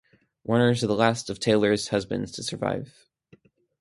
Warner is the last of Taylor's husbands to survive.